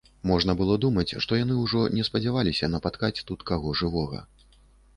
Можна было думаць, што яны ўжо не спадзяваліся напаткаць тут каго жывога.